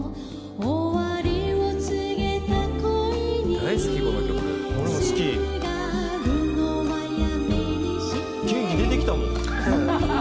「大好きこの曲」「俺も好き」「元気出てきたもん」